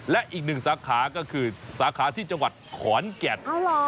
และอีกหนึ่งสาขาก็คือสาขาที่จังหวัดขอนแก่น